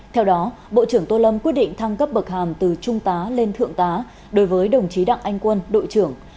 theo đó bộ trưởng tô lâm quyết định thăng cấp bậc hàm từ trung tá lên thượng tá đối với đồng chí đặng anh quân đội trưởng